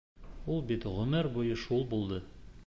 Ул бит ғүмер буйы шул булды...